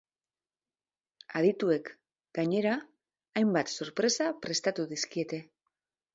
Adituek, gainera, hainbat sorpresa prestatu dizkiete.